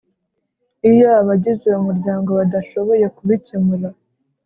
Iyo abagize umuryango badashoboye kubikemura